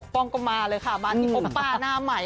กล้องก็มาเลยค่ะมาที่โอมป้าหน้าใหม่